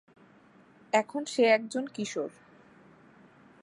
এখন সে একজন কিশোর।